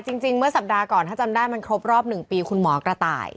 จริงเมื่อสัปดาห์ก่อนถ้าจำได้มันครบรอบ๑ปีคุณหมอกระต่าย